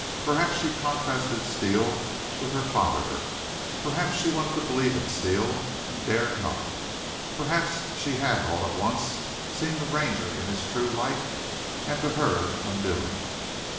Perhaps she contrasted Steele with her father; perhaps she wanted to believe in Steele and dared not; perhaps she had all at once seen the Ranger in his true light, and to her undoing.